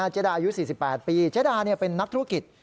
เจดาอายุ๔๘ปีเจ๊ดาเป็นนักธุรกิจ